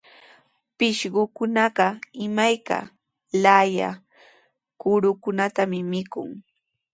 Pishqukunaqa imayka laaya kurukunatami mikun.